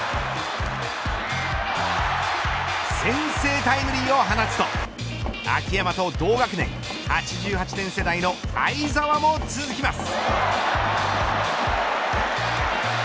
先制タイムリーを放つと秋山と同学年８８年世代の會澤も続きます。